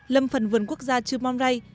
lâm phần vườn quốc gia trư mon ray